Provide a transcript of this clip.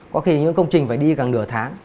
có khi những công trình phải đi càng nửa tháng